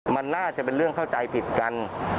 มันน่าจะเป็นเรื่องเข้าใจผิดกัน